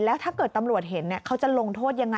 แล้วถ้าเกิดตำรวจเห็นเขาจะลงโทษยังไง